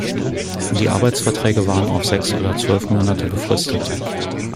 Die Arbeitsverträge waren auf sechs oder zwölf Monate befristet.